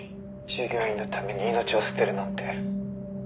「従業員のために命を捨てるなんて」